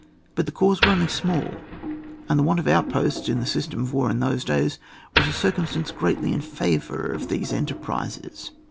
But the corps were only small, and the want of outposts in the system of war in those days was a cir cumstance gpreatly in favour of these en terprises.